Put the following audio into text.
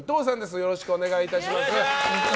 よろしくお願いします。